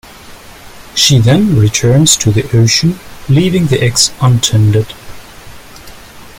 She then returns to the ocean, leaving the eggs untended.